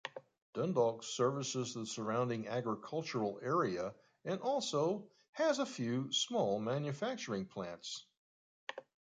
Dundalk services the surrounding agricultural area and also has a few small manufacturing plants.